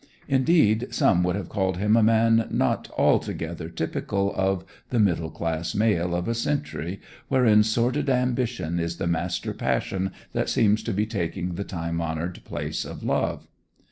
Indeed, some would have called him a man not altogether typical of the middle class male of a century wherein sordid ambition is the master passion that seems to be taking the time honoured place of love.